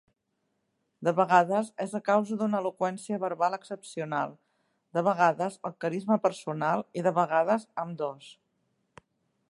De vegades, és a causa d'una eloqüència verbal excepcional, de vegades el carisma personal i de vegades ambdós.